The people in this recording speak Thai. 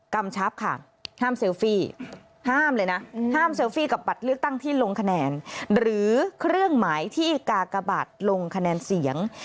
กชับค่ะห้ามเซลฟี่ห้ามเลยนะห้ามเซลฟี่กับบัตรเลือกตั้งที่ลงคะแนนหรือเครื่องหมายที่กากบัตรลงคะแนนเสียง